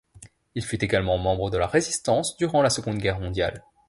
Il fut également membre de la résistance durant la Seconde Guerre mondiale.